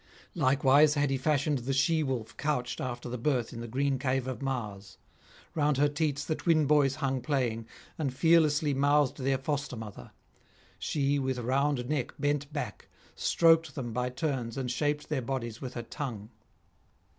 Likewise had he fashioned the she wolf couched after the birth in the green cave of Mars; round her teats the twin boys hung playing, and fearlessly mouthed their foster mother; she, with round neck bent back, stroked them by turns and shaped their bodies with her tongue.